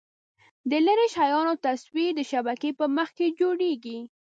د لیرې شیانو تصویر د شبکیې په مخ کې جوړېږي.